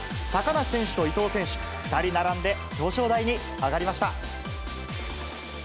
高梨選手と伊藤選手、２人並んで表彰台に上がりました。